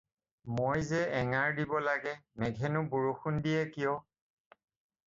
“মই যে এঙাৰ দিব লাগে, মেঘেনো বৰষুণ দিয়ে কিয়?”